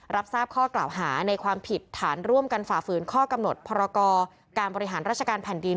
รับทราบข้อกล่าวหาในความผิดฐานร่วมกันฝ่าฝืนข้อกำหนดพรกรการบริหารราชการแผ่นดิน